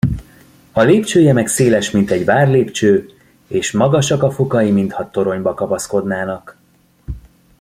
A lépcsője meg széles, mint egy várlépcső, és magasak a fokai, mintha toronyba kapaszkodnának.